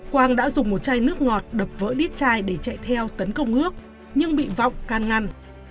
quang đã dùng một chai nước ngọt đập vỡ chai để chạy theo tấn công ước nhưng bị vọng can ngăn